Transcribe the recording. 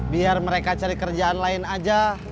biar mereka cari kerjaan lain aja